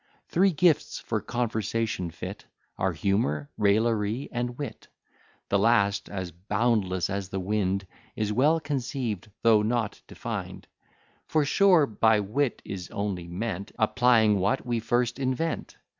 Three gifts for conversation fit Are humour, raillery, and wit: The last, as boundless as the wind, Is well conceived, though not defined; For, sure by wit is only meant Applying what we first invent.